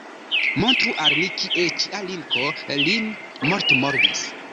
Montru al ni, kie cia linko lin mortmordis?!